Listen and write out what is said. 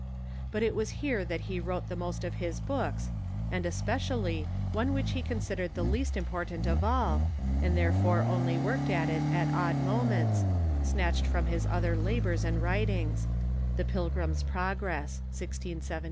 But it was here that he wrote the most of his books, and especially one which he considered the least important of all, and therefore only worked at it at odd moments snatched from his other labors and writings — the "Pilgrim's Progress" (16V8).